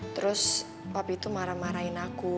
terus papi tuh marah marahin aku